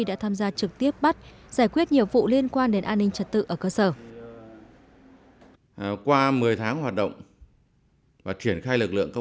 đây cũng là điều kiện liên quan đến an ninh trật tự ở cơ sở